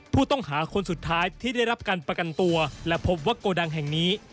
ผู้ต้องหาคนสุดท้ายที่ได้รับการประกันตัวและพบว่าโกดังแห่งนี้